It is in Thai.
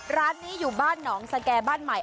ร้านนี้อยู่บ้านหนองสแก่บ้านใหม่